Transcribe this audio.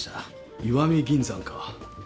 石見銀山か。